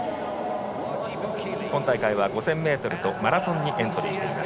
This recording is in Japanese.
今大会は５０００ｍとマラソンにエントリーしています。